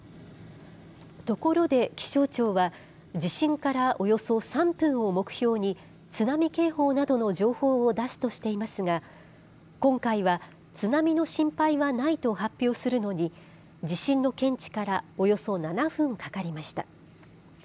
ところで気象庁は、地震からおよそ３分を目標に、津波警報などの情報を出すとしていますが、今回は津波の心配はないと発表するのに、地震の検知からおよそ７分かかりました。